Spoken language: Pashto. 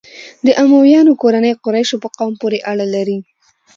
د امویانو کورنۍ قریشو په قوم پورې اړه لري.